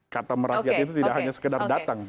kata merakyat itu tidak hanya sekedar datang